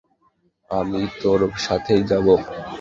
আমি তোর সাথেই যাবো।